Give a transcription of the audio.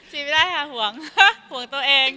จีบไม่ได้ค่ะห่วงตัวเอง